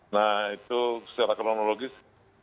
nah itu secara kronologis